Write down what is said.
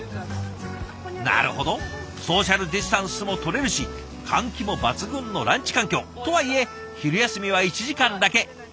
なるほどソーシャルディスタンスもとれるし換気も抜群のランチ環境とはいえ昼休みは１時間だけ。